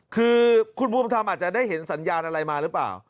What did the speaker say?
คือคุณภูมิธรรมอาจจะได้เห็นสัญญาณอะไรมาหรือเปล่า